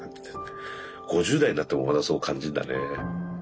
５０代になってもまだそう感じんだね。